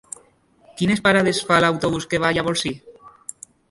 Quines parades fa l'autobús que va a Llavorsí?